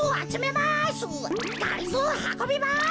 はこびます！